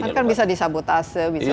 mereka kan bisa disabotase bisa jadi